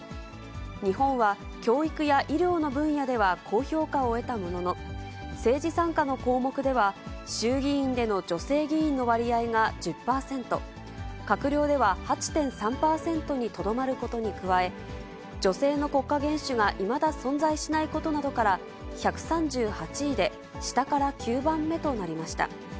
日本は教育や医療の分野では高評価を得たものの、政治参加の項目では、衆議院での女性議員の割合が１０％、閣僚では８．３％にとどまることに加え、女性の国家元首がいまだ存在しないことなどから、１３８位で、下から９番目となりました。